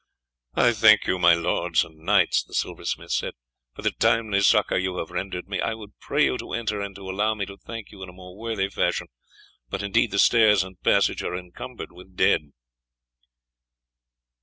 "I thank you, my lords and knights," the silversmith said, "for the timely succour you have rendered me. I would pray you to enter and to allow me to thank you in more worthy fashion, but indeed the stairs and passage are encumbered with dead."